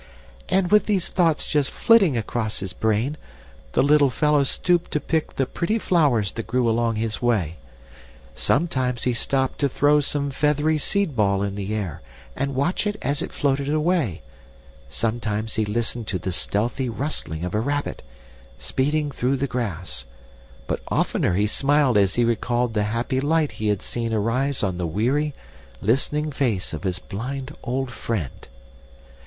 And with these thoughts just flitting across his brain, the little fellow stooped to pick the pretty flowers that grew along his way. Sometimes he stopped to throw some feathery seed ball in the air and watch it as it floated away; sometimes he listened to the stealthy rustling of a rabbit, speeding through the grass, but oftener he smiled as he recalled the happy light he had seen arise on the weary, listening face of his blind old friend."